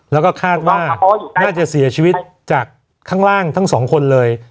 แล้วก็คาดว่าน่าจะเสียชีวิตจากข้างล่างทั้งสองคนเลย